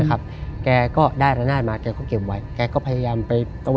แกก็ต้องเสียบ